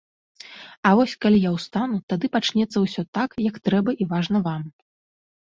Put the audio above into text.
А вось калі я ўстану, тады пачнецца ўсё так, як трэба і важна вам.